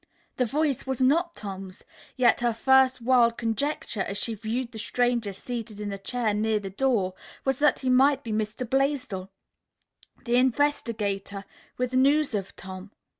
The voice was not Tom's, yet her first wild conjecture as she viewed the stranger seated in a chair near the door, was that he might be Mr. Blaisdell, the investigator, with news of Tom.